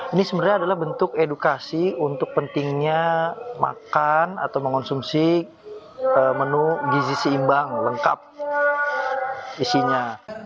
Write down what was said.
ini sebenarnya adalah bentuk edukasi untuk pentingnya makan atau mengonsumsi menu gizi seimbang lengkap isinya